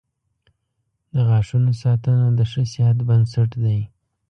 • د غاښونو ساتنه د ښه صحت بنسټ دی.